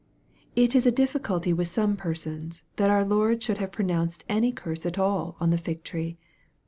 It is a difficulty with some persons that our Lord should have pronounced any curse at all on the fig tree.